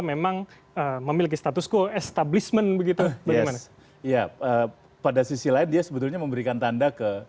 memang memiliki status quo establishment begitu bagaimana ya pada sisi lain dia sebetulnya memberikan tanda ke